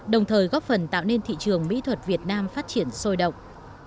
đồng thời góp phần tạo nên thị trường mỹ thuật việt nam phát triển sôi động